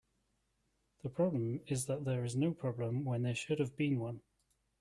The problem is that there is no problem when there should have been one.